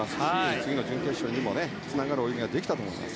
次の準決勝にもつながる泳ぎができたと思います。